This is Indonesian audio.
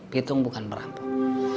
pitung bukan perampok